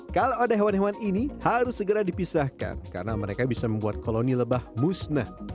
kalau ada hewan hewan ini harus segera dipisahkan karena mereka bisa membuat koloni lebah musnah